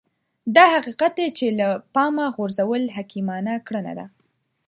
دا حقيقت دی چې له پامه غورځول حکيمانه کړنه ده.